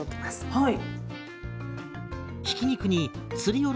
はい。